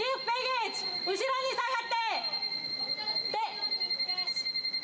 後ろに下がって。